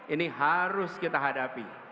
ini harus kita hadapi